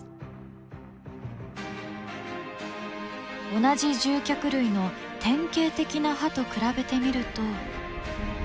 同じ獣脚類の典型的な歯と比べてみると。